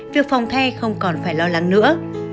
việc phòng thay không còn phải lo lắng nữa